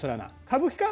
歌舞伎か？